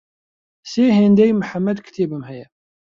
سێ هێندەی محەمەد کتێبم هەیە.